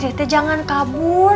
dede jangan kabur